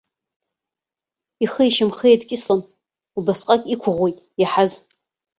Ихи ишьамхи еидкьыслон, убасҟак иқәыӷәӷәеит иаҳаз.